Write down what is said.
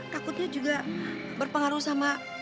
takutnya juga berpengaruh sama